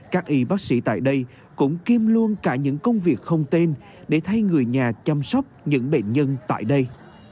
các y bác sĩ tại đây cũng kiêm luôn cả những công việc không tên để thay người nhà chăm sóc những bệnh nhân tại đây